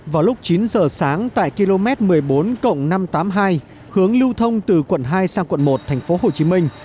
vào lúc chín giờ sáng tại km một mươi bốn năm trăm tám mươi hai hướng lưu thông từ quận hai sang quận một thành phố hồ chí minh